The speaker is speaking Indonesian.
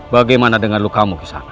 bagaimana dengan lukamu kisana